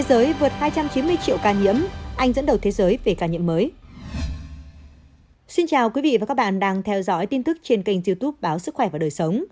xin chào quý vị và các bạn đang theo dõi tin tức trên kênh youtube báo sức khỏe và đời sống